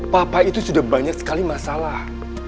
papa itu sudah banyak sekali masalah